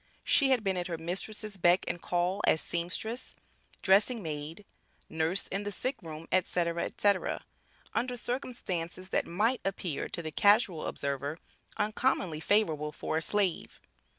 She had been at her mistress' beck and call as seamstress, dressing maid, nurse in the sickroom, etc., etc., under circumstances that might appear to the casual observer uncommonly favorable for a slave.